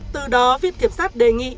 từ đó viện kiểm sát đề nghị